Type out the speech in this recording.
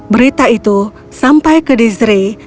berita itu sampai ke dezree